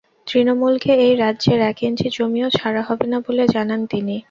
তৃণমূলকে এই রাজ্যের এক ইঞ্চি জমিও ছাড়া হবে না বলে জানান তিনি।